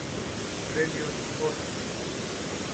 Premios Óscar